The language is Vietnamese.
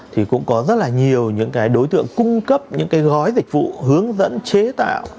thì cũng có rất là nhiều những đối tượng cung cấp những gói dịch vụ hướng dẫn chế tạo